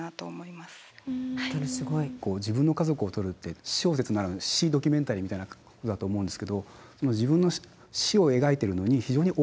まさに自分の家族を撮るって私小説ならぬ私ドキュメンタリーみたいなことだと思うんですけど自分の「私」を描いてるのに非常に「公」